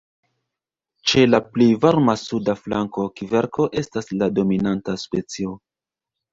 Ĉe la pli varma suda flanko kverko estas la dominanta specio.